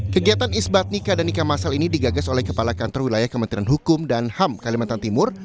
kegiatan isbat nikah dan nikah masal ini digagas oleh kepala kantor wilayah kementerian hukum dan ham kalimantan timur